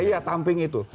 iya tamping itu